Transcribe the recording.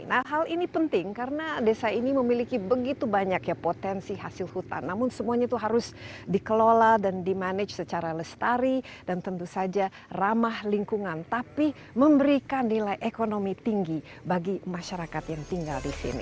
nah hal ini penting karena desa ini memiliki begitu banyak ya potensi hasil hutan namun semuanya itu harus dikelola dan di manage secara lestari dan tentu saja ramah lingkungan tapi memberikan nilai ekonomi tinggi bagi masyarakat yang tinggal di sini